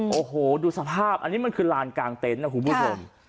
โอ้โหดูสภาพอันนี้มันคือลานกลางเต็นต์นะคุณผู้ชม